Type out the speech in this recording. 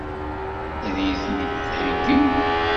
Ad iyi-ten-id-theggi?